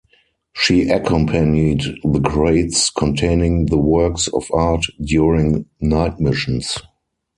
She accompanied the crates containing the works of art during night missions.